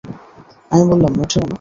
আমি বললাম, মোটেও না।